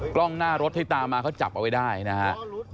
กล้องหน้ารถที่ตามมาเขาจับเอาไว้ได้นะครับ